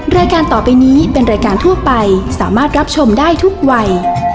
รายการต่อไปนี้เป็นรายการทั่วไปสามารถรับชมได้ทุกวัย